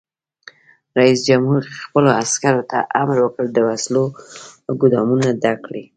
رئیس جمهور خپلو عسکرو ته امر وکړ؛ د وسلو ګودامونه ډک کړئ!